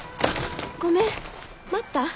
ごめん待った？